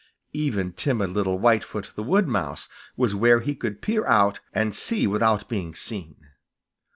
Even timid little Whitefoot the Wood Mouse was where he could peer out and see without being seen.